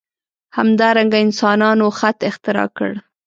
همدارنګه انسانانو خط اختراع کړ.